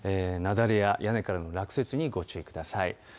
雪崩や、屋根からの落雪にご注意ください。